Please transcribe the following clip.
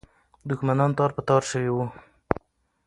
دښمنان تار په تار سوي وو.